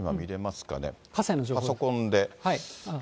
パソコンで。